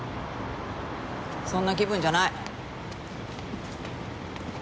そんな気分じゃない。